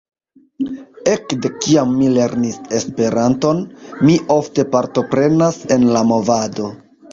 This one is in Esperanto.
Ekde kiam mi lernis Esperanton, mi ofte partoprenas en la movado.